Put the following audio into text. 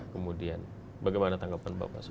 kemudian bagaimana tanggapan bapak soal itu